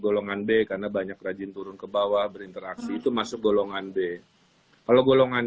golongan b karena banyak rajin turun ke bawah berinteraksi itu masuk golongan b kalau golongan